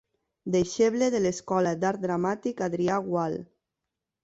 Deixeble de l'Escola d'Art Dramàtic Adrià Gual.